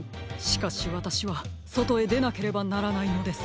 しかしわたしはそとへでなければならないのです。